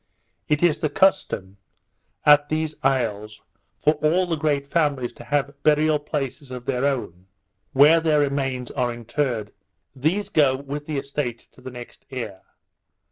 It is the custom, at these isles, for all the great families to have burial places of their own, where their remains are interred. These go with the estate to the next heir.